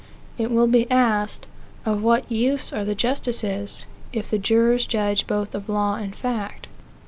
It will be asked, Of what use are the justices, if the jurors judge both of law and fact?